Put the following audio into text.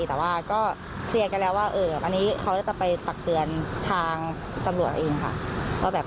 แต่ว่าก็เคลียร์ได้แล้วว่าจะตัดเบิดทางจำรวจเองค่ะ